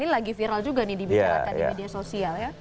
ini lagi viral juga nih dibicarakan di media sosial ya